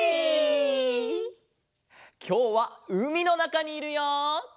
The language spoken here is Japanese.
きょうはうみのなかにいるよ！